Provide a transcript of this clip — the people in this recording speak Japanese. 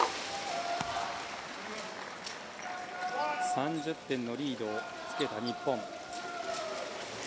３０点のリードをつけた日本。